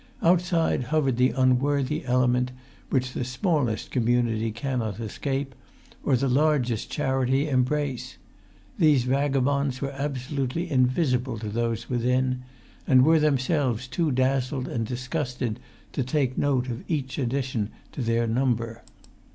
Outside hovered the unworthy element which the smallest community cannot escape, or the largest charity embrace; these vagabonds were absolutely invisible to those within; and were themselves too dazzled and disgusted to take note of each addition to their number.